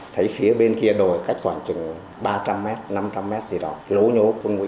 thấy phía bên kia đồi cách khoảng chừng ba trăm linh mét năm trăm linh mét gì đó lố nhố quân nguyện